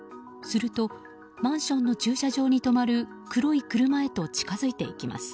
するとマンションの駐車場に止まる黒い車へと近づいていきます。